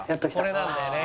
「これなんだよね」